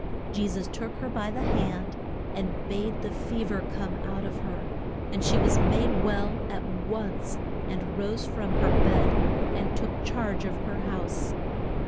Je sus took her by the hand, and bade the fe ver come out of her. And she was made well at once, and rose from her bed, and took charge of her house.